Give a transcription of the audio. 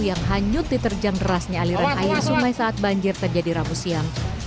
yang hanyut diterjang derasnya aliran air sungai saat banjir terjadi rabu siang